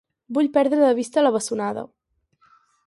Vull perdre de vista la bessonada!